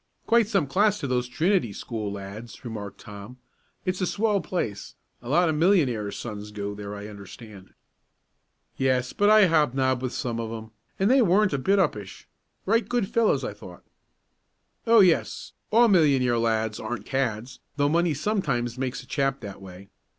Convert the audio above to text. "Quite some class to those Trinity School lads," remarked Tom. "It's a swell place a lot of millionaires' sons go there I understand." "Yes, but I hobnobbed with some of 'em, and they weren't a bit uppish. Right good fellows, I thought." "Oh, yes, all millionaire lads aren't cads though money sometimes makes a chap that way.